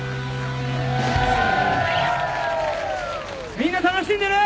みんな楽しんでる？